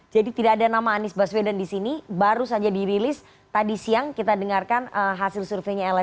jadi tidak ada nama anies baswedan di sini baru saja dirilis tadi siang kita dengarkan hasil surveinya lsi denny ja